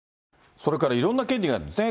それからいろんな権利があるんですね。